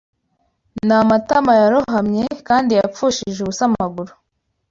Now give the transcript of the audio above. n'amatama yarohamye Kandi yapfushije ubusa amaguru